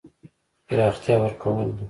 پراختیا ورکول ده.